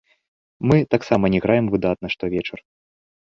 Мы таксама не граем выдатна штовечар.